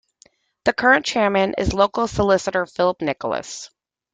The current Chairman is local solicitor Philip Nicholas.